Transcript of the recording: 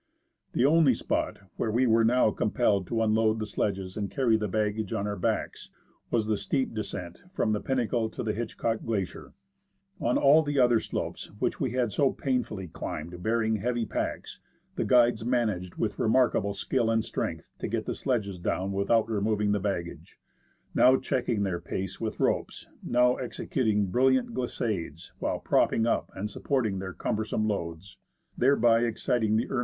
The only spot where we were now compelled to unload the sledges and carry the baggage on our backs was the steep descent from the Pinnacle to the Hitchcock Glacier. On all the other slopes CROSSING PINNACLE GLACIER ON THE WAY DOWN. which we had so painfully climbed, bearing heavy packs, the guides managed with remarkable skill and strength to get the sledges down without removing the baggage, now checking their pace with ropes, now executing brilliant glissades, while propping up and supporting rather lower down, at the terminal cascade of the Seward, i.e.